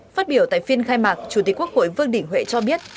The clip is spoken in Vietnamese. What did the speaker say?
phát biểu tại phiên khai mạc chủ tịch quốc hội vương đình huệ cho biết